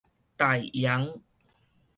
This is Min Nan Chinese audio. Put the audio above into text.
大揚